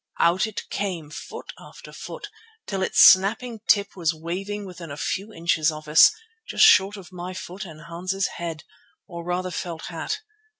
Out it came, foot after foot, till its snapping tip was waving within a few inches of us, just short of my foot and Hans's head, or rather felt hat.